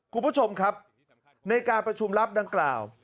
คุณผู้ชมครับในการประชุมลับดังกล่าว